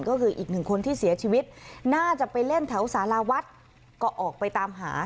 ก็คืออีกหนึ่งคนที่เสียชีวิตน่าจะไปเล่นแถวสาราวัดก็ออกไปตามหา